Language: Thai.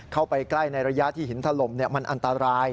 เข้าไปใกล้ในระยะที่หินถล่มมันอันตราย